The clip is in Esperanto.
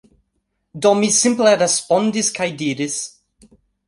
Do, mi simple respondis kaj diris